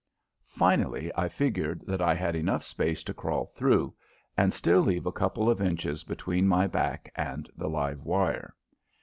Finally I figured that I had enough space to crawl through and still leave a couple of inches between my back and the live wire.